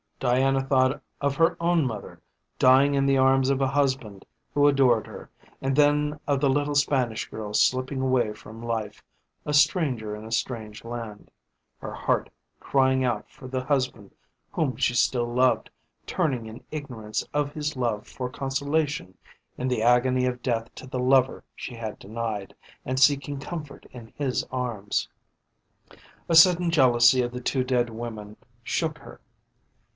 Diana thought of her own mother dying in the arms of a husband who adored her, and then of the little Spanish girl slipping away from life, a stranger in a strange land, her heart crying out for the husband whom she still loved, turning in ignorance of his love for consolation in the agony of death to the lover she had denied, and seeking comfort in his arms. A sudden jealousy of the two dead women shook her.